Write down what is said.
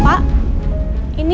mbak ada belanja disini